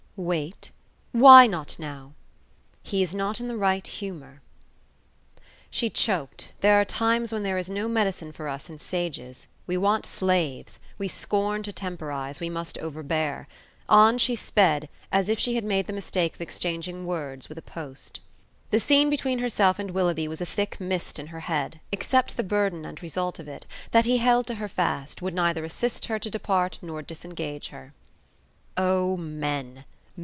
"Wait? Why not now?" "He is not in the right humour." She choked. There are times when there is no medicine for us in sages, we want slaves; we scorn to temporize, we must overbear. On she sped, as if she had made the mistake of exchanging words with a post. The scene between herself and Willoughby was a thick mist in her head, except the burden and result of it, that he held to her fast, would neither assist her to depart nor disengage her. Oh, men!